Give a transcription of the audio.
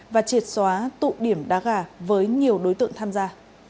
và triệt xóa tụ điểm đá gà với nhiều đối tượng tham gia